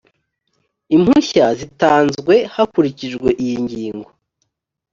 impushya zitanzwe hakurikijwe iyi ngingo